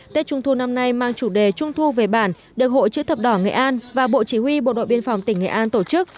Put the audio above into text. tết trung thu năm nay mang chủ đề trung thu về bản được hội chữ thập đỏ nghệ an và bộ chỉ huy bộ đội biên phòng tỉnh nghệ an tổ chức